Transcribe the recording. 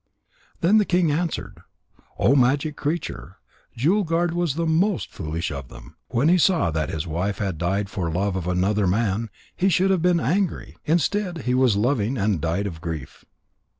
Then the king answered: "O magic creature, Jewel guard was the most foolish of them. When he saw that his wife had died for love of another man, he should have been angry. Instead, he was loving, and died of grief."